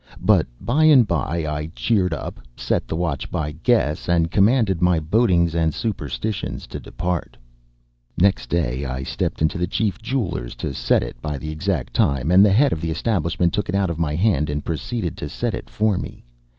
But by and by I cheered up, set the watch by guess, and commanded my bodings and superstitions to depart. Next day I stepped into the chief jeweler's to set it by the exact time, and the head of the establishment took it out of my hand and proceeded to set it for me.